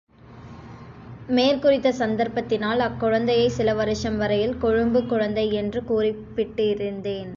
மேற்குறித்த சந்தர்ப்பத்தினால், அக்குழந்தையைச் சில வருஷம் வரையில் கொழும்பு குழந்தை என்று கூப்பிட்டுக்கொண்டிருந்தேன்.